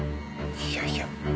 いやいや。